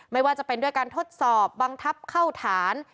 ไม่ว่าจะเป็นด้วยการทดสอบบังคับเข้าฐาน